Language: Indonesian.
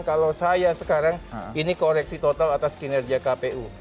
kalau saya sekarang ini koreksi total atas kinerja kpu